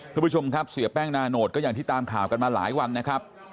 คุณผู้ชมครับเสียแป้งนาโนตก็อย่างที่ตามข่าวกันมาหลายวันนะครับ